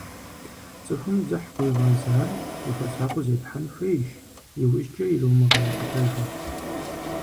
Цӏыхум дзыхь къыуигъэзар, ухуэсакъыу зепхьэн хуейщ, иужькӏэ ирумыгъэукӏытэжу.